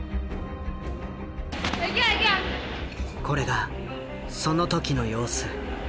これがその時の様子。